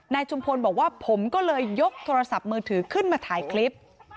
ชุมพลบอกว่าผมก็เลยยกโทรศัพท์มือถือขึ้นมาถ่ายคลิป